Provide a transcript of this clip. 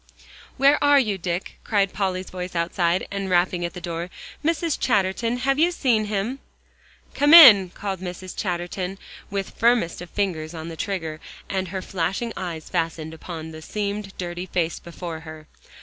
"Where are you, Dick?" cried Polly's voice outside, and rapping at the door. "Mrs. Chatterton, have you seen him?" "Come in," called Mrs. Chatterton, with firmest of fingers on the trigger and her flashing eyes fastened upon the seamed, dirty face before her.